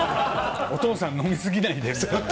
お父さん飲み過ぎないでみた